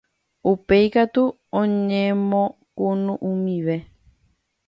Upéi katu oñemokunu'ũmive